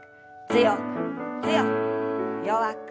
強く強く弱く。